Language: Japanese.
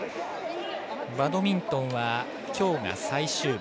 バドミントンはきょうが最終日。